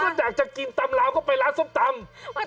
ก็อยากจะกินตำราวก็ไปร้านส้มตำ